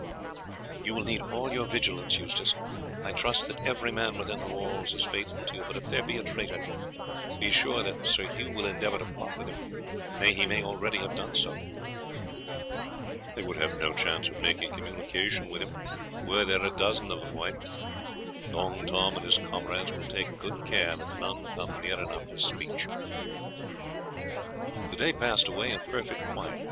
"You will need all your vigilance, Eustace. I trust that every man within the walls is faithful to us; but if there be a traitor, be sure that Sir Hugh will endeavour to plot with him, nay, he may already have done so." "They would have no chance of making communication with him were there a dozen of them, wife. Long Tom and his comrades will take good care that none come near enough for speech." The day passed away in perfect quiet.